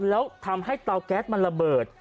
แล้วทำให้เตาแก๊สมันระเบิด